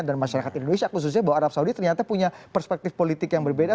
dan masyarakat indonesia khususnya bahwa arab saudi ternyata punya perspektif politik yang berbeda